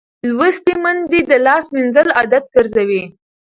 لوستې میندې د لاس مینځل عادت ګرځوي.